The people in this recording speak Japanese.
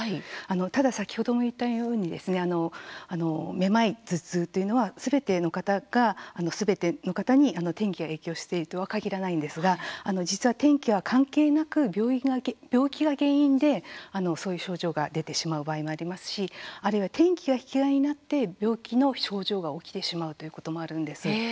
ただ、先ほども言ったようにめまい、頭痛というのはすべての方に天気が影響しているとは限らないんですが実は、天気は関係なく病気が原因でそういう症状が出てしまう場合もありますしあるいは天気が引き金になって病気の症状が起きてしまうということもあるんです。